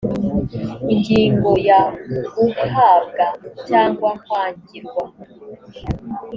ingingo ya guhabwa cyangwa kwangirwa